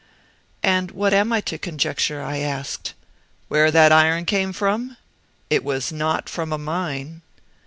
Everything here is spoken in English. "And what am I to conjecture?" I asked. "Where that iron came from? It was NOT from a mine."